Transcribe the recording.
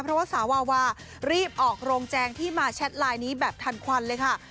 เพราะว่าสาววาวารีบออกโรงแจงที่มาแชทไลน์นี้แบบทันควันเลยค่ะ